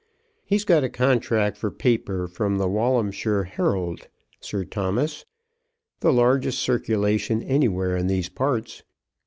"He's got a contract for paper from the 'Walhamshire Herald,' Sir Thomas; the largest circulation anywhere in these parts.